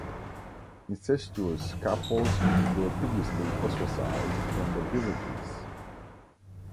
Incestuous couples were previously ostracized from the villages.